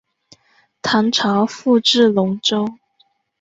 唐朝复置龙州。